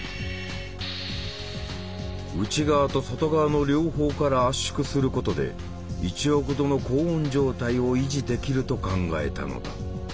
内側と外側の両方から圧縮することで１億度の高温状態を維持できると考えたのだ。